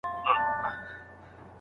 د غصې نتايج او اثرات څنګه له منځه ځي؟